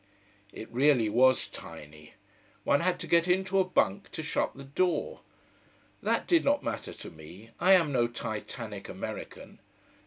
It really was tiny. One had to get into a bunk to shut the door. That did not matter to me, I am no Titanic American.